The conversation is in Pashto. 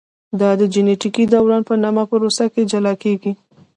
دا د جینټیکي دوران په نامه پروسه کې جلا کېږي.